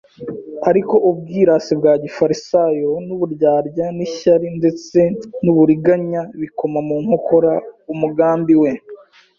ariko ubwirasi bwa gifarisayo n'uburyarya n'ishyari ndetse n'uburiganya bikoma mu nkokora umugambi we.